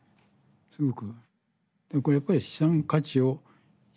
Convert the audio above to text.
すごく。